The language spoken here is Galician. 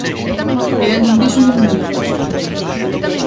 E el non dixo nin mu.